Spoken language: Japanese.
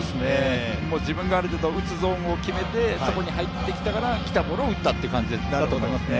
自分がある程度打つゾーンを決めてそこに入ってきたら、来たボールを打ったという感じですね。